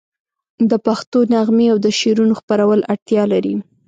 د پښتو نغمې او د شعرونو خپرول اړتیا لري.